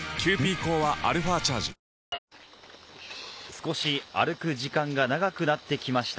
少し歩く時間が長くなってきました。